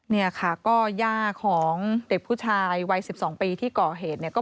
เนี่ยค่ะก็โยชน์ของเด็กผู้ชายวัย๑๒ปีที่เกาะเหตุ